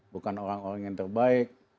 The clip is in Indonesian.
bukan orang orang yang terbaik